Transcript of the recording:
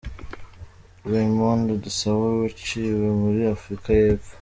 Raymond Dusabe wiciwe muri Afurika y’Epfo.